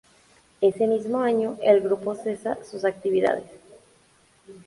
Ese mismo año, el grupo cesa sus actividades.